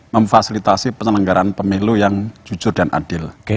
memfasilitasi penyelenggaraan pemilu yang jujur dan adil